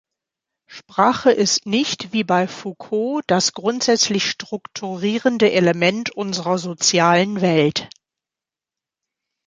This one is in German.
Sprache ist nicht wie bei Foucault das grundsätzlich strukturierende Element unserer sozialen Welt.